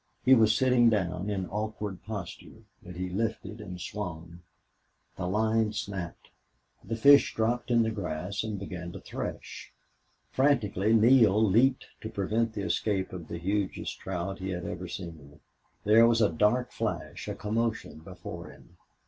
He was sitting down, in awkward posture. But he lifted and swung. The line snapped. The fish dropped in the grass and began to thresh. Frantically Neale leaped to prevent the escape of the hugest trout he had ever seen. There was a dark flash a commotion before him.